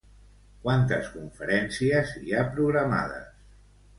Quantes conferències hi ha programades?